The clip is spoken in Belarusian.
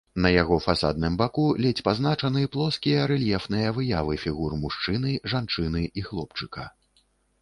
На яго фасадным баку ледзь пазначаны плоскія рэльефныя выявы фігур мужчыны, жанчыны і хлопчыка.